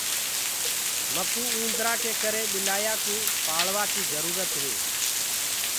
مڪوُ اُوندرآ ڪي ڪري ٻلآيآ ڪوُ پآݪوآ ڪي جرُورت هي۔